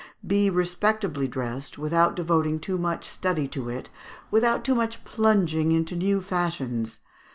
Be respectably dressed, without devoting too much study to it, without too much plunging into new fashions.